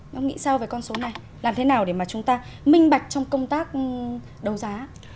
ông nghĩ sao về con số này làm thế nào để mà chúng ta minh bạch trong công tác đấu giá